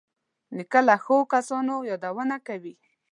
نیکه له ښو کسانو یادونه کوي.